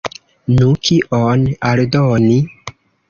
Nu, kion aldoni?